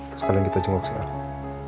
terus kalian kita jenguk sekalian